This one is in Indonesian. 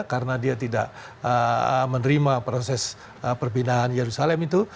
karena dia tidak menerima proses perpindahan yerusalem itu